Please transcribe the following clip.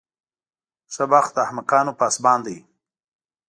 ښه بخت د احمقانو پاسبان دی.